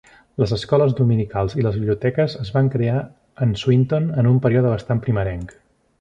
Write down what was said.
Les escoles dominicals i les biblioteques es van crear en Swinton en un període bastant primerenc.